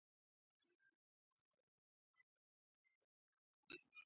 په یوه بیان کې لیکلي